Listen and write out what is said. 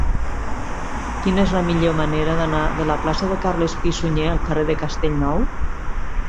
Quina és la millor manera d'anar de la plaça de Carles Pi i Sunyer al carrer de Castellnou?